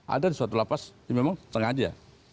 ada di suatu lapas yang memang sengaja